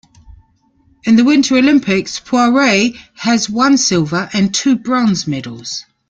In the Winter Olympics, Poiree has one silver and two bronze medals.